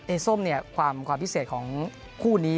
ส้มเนี่ยความพิเศษของคู่นี้